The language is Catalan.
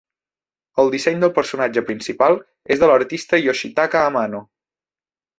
El disseny del personatge principal és de l'artista Yoshitaka Amano.